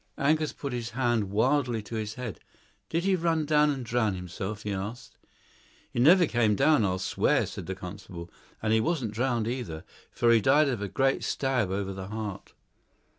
Angus put his hand wildly to his head. "Did he run down and drown himself?" he asked. "He never came down, I'll swear," said the constable, "and he wasn't drowned either, for he died of a great stab over the heart."